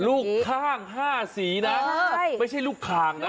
ลูกข้าง๕สีนะไม่ใช่ลูกคางนะ